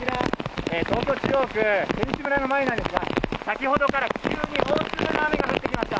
東京・中央区選手村の前なのですが先ほどから急に大粒の雨が降ってきました。